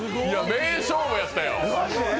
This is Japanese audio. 名勝負やったよ。